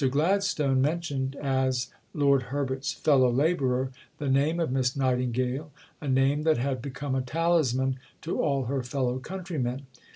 Gladstone mentioned as Lord Herbert's "fellow labourer" the "name of Miss Nightingale, a name that had become a talisman to all her fellow countrymen."